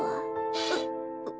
うっ！